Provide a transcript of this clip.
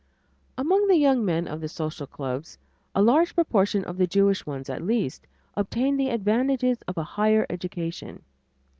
Among the young men of the social clubs a large proportion of the Jewish ones at least obtain the advantages of a higher education.